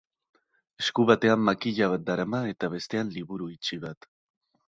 Esku batean makila bat darama eta, bestean, liburu itxi bat.